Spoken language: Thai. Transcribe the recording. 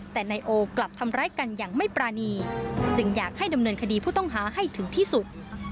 แต่นายโอกลับทำร้ายกันอย่างไม่ปรานีจึงอยากให้ดำเนินคดีผู้ต้องหาให้ถึงที่สุด